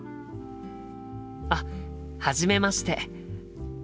あっはじめまして。